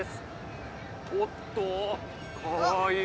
おっとかわいい。